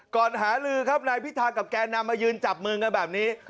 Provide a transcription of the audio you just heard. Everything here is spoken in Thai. หาลือครับนายพิธากับแกนนำมายืนจับมือกันแบบนี้